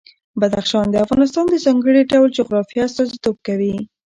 بدخشان د افغانستان د ځانګړي ډول جغرافیه استازیتوب کوي.